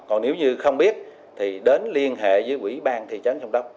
còn nếu như không biết thì đến liên hệ với quỹ ban thị trấn sông đốc